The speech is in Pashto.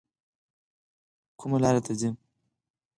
کومه لار ته ځئ؟